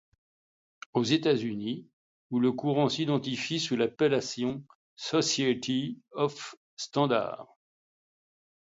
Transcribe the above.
Aux États-Unis, où le courant s'identifie sous l’appellation Society of St.